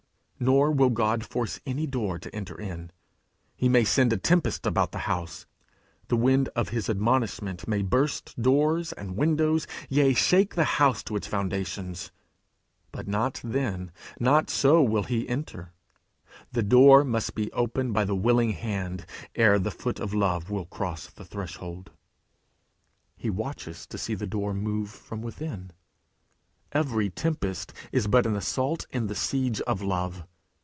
Nor will God force any door to enter in. He may send a tempest about the house; the wind of his admonishment may burst doors and windows, yea, shake the house to its foundations; but not then, not so, will he enter. The door must be opened by the willing hand, ere the foot of Love will cross the threshold. He watches to see the door move from within. Every tempest is but an assault in the siege of love.